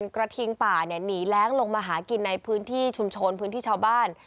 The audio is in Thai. กระทิงป่าหนีแร้งลงมาหากินในพื้นที่ชุมชนพื้นที่ชาวบ้าน